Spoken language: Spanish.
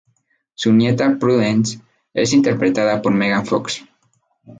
Su nieta Prudence es interpretada por Megan Fox.